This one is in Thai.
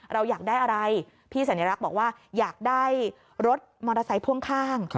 เราอยากได้อะไรพี่สัญลักษณ์บอกว่าอยากได้รถมอเตอร์ไซค์พ่วงข้าง